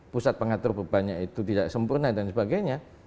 pusat pengatur bebannya itu tidak sempurna dan sebagainya